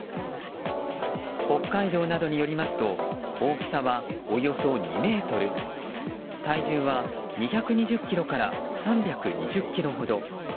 北海道などによりますと大きさはおよそ２ｍ体重は２２０ｋｇから３２０ｋｇほど。